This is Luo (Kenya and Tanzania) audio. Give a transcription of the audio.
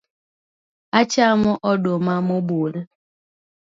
Achamo oduma mobul?